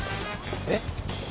えっ？